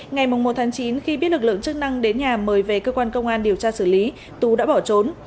ngày một chín khi biết lực lượng chức năng đến nhà mời về cơ quan công an điều tra xử lý tú đã bỏ trốn